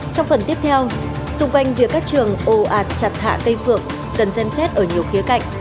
trong phần tiếp theo xung quanh đỉa các trường ô ạt chặt thả cây phượng cần dân xét ở nhiều khía cạnh